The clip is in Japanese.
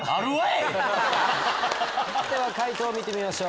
では解答見てみましょう。